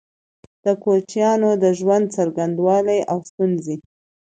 د کوچيانو د ژوند څرنګوالی او ستونزي